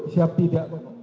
siap tidak pak